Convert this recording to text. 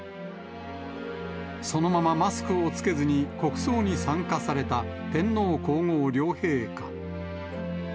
そのままマスクを着けずに国葬に参加された天皇皇后両陛下。